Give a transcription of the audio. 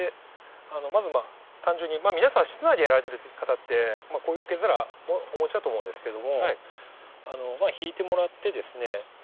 まず単純に皆さん室内でやられてる方ってこういう受け皿をお持ちだと思うんですけどもひいてもらってですね。